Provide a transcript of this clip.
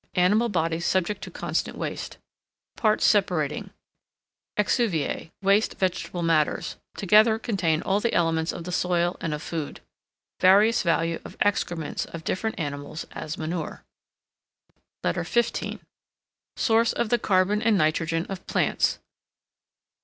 Animal bodies subject to constant waste. Parts separating exuviae waste vegetable matters together contain all the elements of the soil and of food. Various value of excrements of different animals as manure. LETTER XV SOURCE OF THE CARBON AND NITROGEN OF PLANTS.